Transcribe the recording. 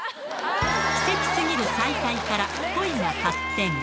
奇跡すぎる再会から恋に発展。